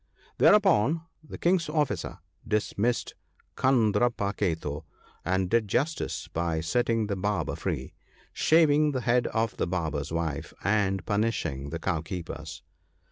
" Thereupon the King's officer dismissed Kandarpa ketu, and did justice by setting the Barber free, shaving the head of the Barber's wife( 63 ), and punishing the Cow keeper's.